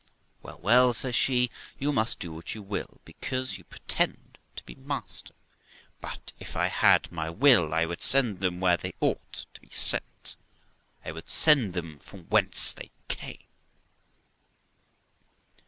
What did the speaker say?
Well, well', says she, 'you must do what you will, because you pretend to be master; but if I had my will I would send them where they ought to be sent: I would send them from whence they came.'